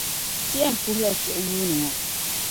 Ti yɛn puhila chuɣu yuuni ŋɔ.